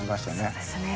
そうですね。